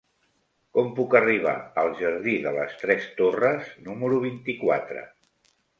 Com puc arribar al jardí de les Tres Torres número vint-i-quatre?